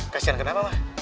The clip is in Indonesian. kasihan kenapa papa